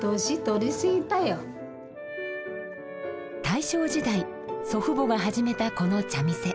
大正時代祖父母が始めたこの茶店。